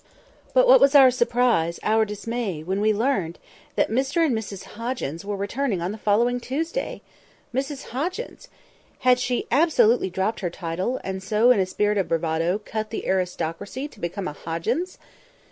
But what was our surprise—our dismay—when we learnt that Mr and Mrs Hoggins were returning on the following Tuesday! Mrs Hoggins! Had she absolutely dropped her title, and so, in a spirit of bravado, cut the aristocracy to become a Hoggins!